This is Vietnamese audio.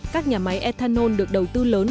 các nhà máy ethanol được đầu tư lớn